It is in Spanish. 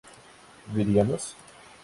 ¿viviríamos?